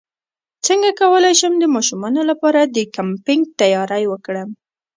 څنګه کولی شم د ماشومانو لپاره د کیمپینګ تیاری وکړم